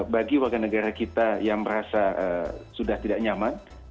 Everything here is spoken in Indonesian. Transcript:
bagi warga negara kita yang merasa sudah tidak nyaman